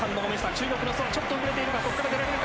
中国のソ、ちょっと遅れているがここから出られるか。